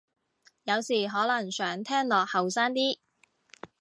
有時可能想聽落後生啲